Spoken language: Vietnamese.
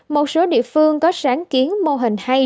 một số địa phương có sáng kiến mô hình hay